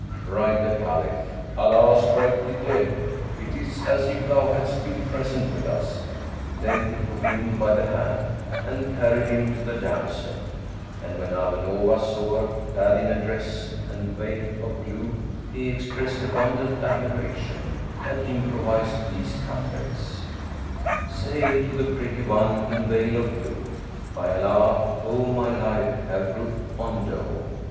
'" Cried the Caliph, "Allah strike thee dead! it is as if thou hadst been present with us.''[FN#390] Then he took him by the hand and carried him to the damsel and, when Abu Nowas saw her clad in a dress and veil of blue, he expressed abundant admiration and improvised these couplets, "Say to the pretty one in veil of blue, * 'By Allah, O my life, have ruth on dole!